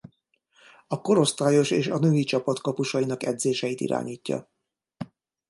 A korosztályos és a női csapat kapusainak edzéseit irányítja.